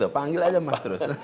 panggil aja mas terus